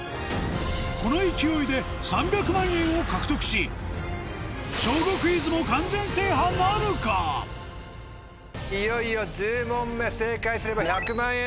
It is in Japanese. この勢いで３００万円を獲得しいよいよ１０問目正解すれば１００万円です。